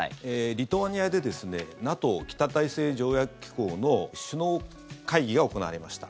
リトアニアでＮＡＴＯ・北大西洋条約機構の首脳会議が行われました。